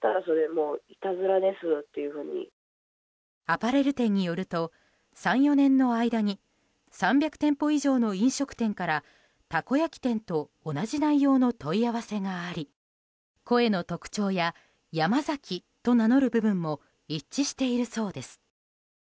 アパレル店によると３４年の間に３００店舗以上の飲食店からたこ焼き店と同じ内容の問い合わせがあり声の特徴やヤマザキと名乗る部分も一致しているそうです。